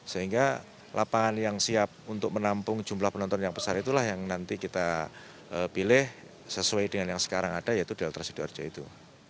sehingga lapangan yang siap untuk menampung jumlah penonton yang besar itulah yang nanti kita pilih sesuai dengan yang sekarang ada yaitu delta sidoarjo itu